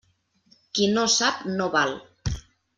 Qui no sap, no val.